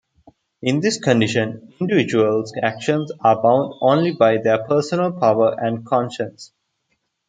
In this condition, individuals' actions are bound only by their personal power and conscience.